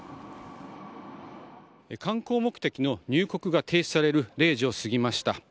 観光目的の入国が停止される０時を過ぎました。